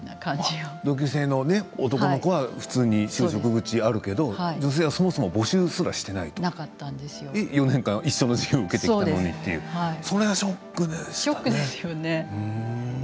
同級生の男の子は普通に就職口があるけれど女性はそもそも募集すらしていない４年間一緒の授業を受けてきたのにそれはショックですよね。